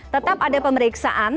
tetap ada pemeriksaan